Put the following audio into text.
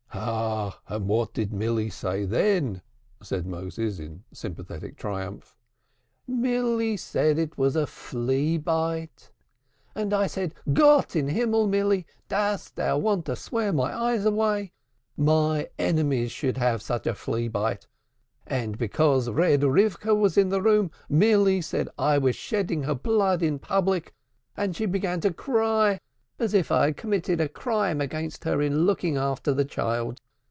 "And what did Milly say then?" said Moses in sympathetic triumph. "Milly said it was a flea bite! and I said, 'Gott in Himmel, Milly, dost thou want to swear my eyes away? My enemies shall have such a flea bite.' And because Red Rivkah was in the room, Milly said I was shedding her blood in public, and she began to cry as if I had committed a crime against her in looking after her child.